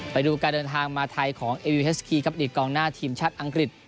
ไปดูการเดินทางมาไทยของเอวิวเฮสกีครับอดีตกองหน้าทีมชาติอังกฤษ